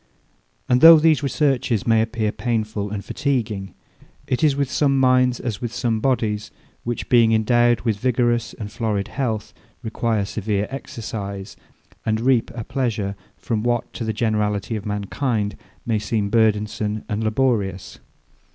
And though these researches may appear painful and fatiguing, it is with some minds as with some bodies, which being endowed with vigorous and florid health, require severe exercise, and reap a pleasure from what, to the generality of mankind, may seem burdensome and laborious.